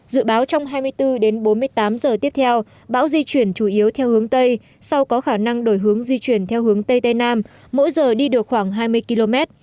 dự báo trong hai mươi bốn đến bốn mươi tám giờ tiếp theo bão di chuyển chủ yếu theo hướng tây sau có khả năng đổi hướng di chuyển theo hướng tây tây nam mỗi giờ đi được khoảng hai mươi km